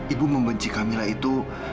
ibu membenci kamilah itu